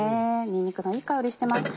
にんにくのいい香りしてます。